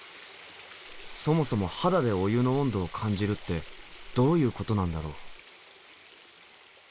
そもそも肌でお湯の温度を感じるってどういうことなんだろう？